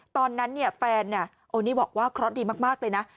ตอนนั้นแฟนโอนี่บอกว่าเคราะห์ดีมากเลยนะ